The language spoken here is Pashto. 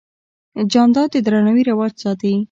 جانداد د درناوي رواج ساتي.